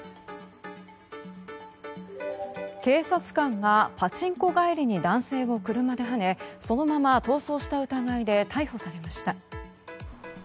警察官がパチンコ帰りに男性を車ではねそのまま逃走した疑いで逮捕されました。